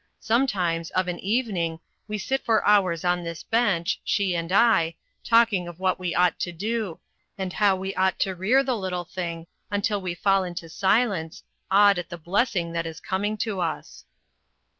Sometimes, of an evening, we sit for hours on this bench, she and I, talking of what we ought to do, and how we ought to rear the little thing, until we fall into silence, awed at the blessing that is coming to us."